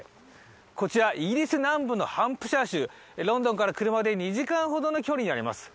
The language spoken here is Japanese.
こちらイギリス南部のハンプシャー州、ロンドンから車で２時間ほどの距離にあります。